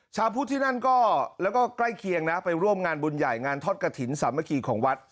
ชาวพุทธที่นั่นก็แล้วก็ใกล้เคียงนะไปร่วมงานบุญใหญ่งานทอดกระถิ่นสามัคคีของวัด